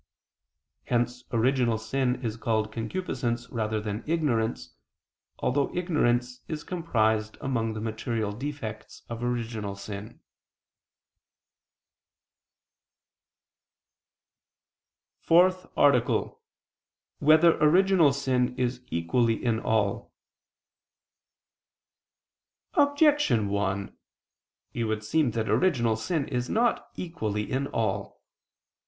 Hence original sin is called concupiscence rather than ignorance, although ignorance is comprised among the material defects of original sin. ________________________ FOURTH ARTICLE [I II, Q. 82, Art. 4] Whether Original Sin Is Equally in All? Objection 1: It would seem that original sin is not equally in all.